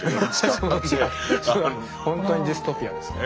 それは本当にディストピアですね。